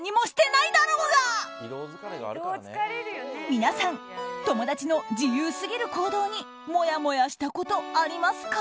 皆さん友達の自由すぎる行動にもやもやしたことありますか？